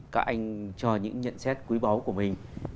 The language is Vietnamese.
các anh cho những nhận xét quý báu của mình